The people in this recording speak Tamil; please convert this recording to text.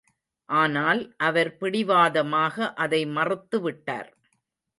ஆனால் அவர் பிடிவாதமாக அதை மறுத்து விட்டார்.